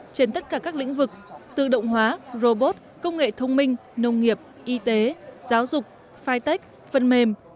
trên tất cả các lĩnh vực tự động hóa robot công nghệ thông minh nông nghiệp y tế giáo dục phai tích phân mềm